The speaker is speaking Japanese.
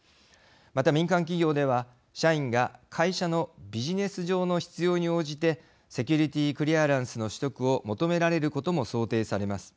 また民間企業では社員が会社のビジネス上の必要に応じてセキュリティークリアランスの取得を求められることも想定されます。